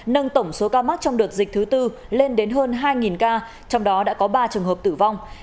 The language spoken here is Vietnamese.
nâng tổng số ca mắc trong đợt dịch thứ tư lên đến hơn hai ca trong đó đã có ba trường hợp tử vong